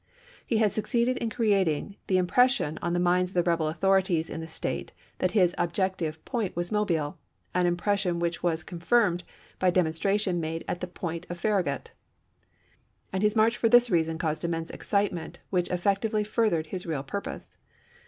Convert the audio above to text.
He had succeeded in creating the impression on the minds of the rebel authorities in the State that his objective point was Mobile, an impression which was confirmed by a demonstration made at that point by Farragut ; and his march for this reason caused immense excitement which effectively furthered his real purpose.